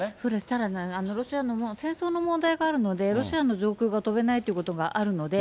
ただ、ロシアの戦争の問題があるので、ロシアの上空が飛べないということがあるので。